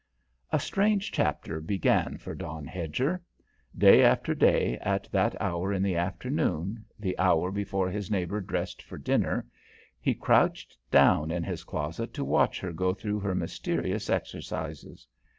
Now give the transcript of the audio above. A strange chapter began for Don Hedger. Day after day, at that hour in the afternoon, the hour before his neighbour dressed for dinner, he crouched down in his closet to watch her go through her mysterious exercises.